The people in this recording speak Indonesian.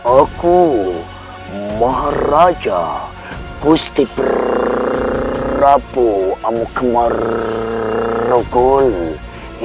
aku maharaja gusti prabu amukmerogoli